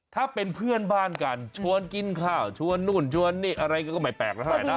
ถ้าเป็นเพื่อนบ้านกันชวนกินข้าวชวนนู่นชวนนี่อะไรก็ไม่แปลกแล้วเท่าไหร่นะ